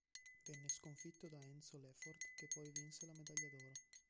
Venne sconfitto da Enzo Lefort, che poi vinse la medaglia d'oro.